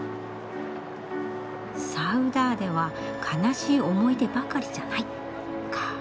「サウダーデは悲しい思い出ばかりじゃない」か。